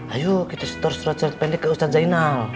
ayo kita seterus terus balik ke ustaz zainal